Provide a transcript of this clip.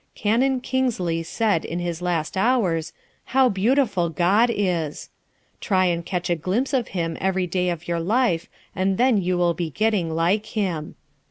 Canon Kingsley said in his last hours, 'How beautiful God is!' Try and catch a glimpse of Him every day of your life, and then you will be getting like Him.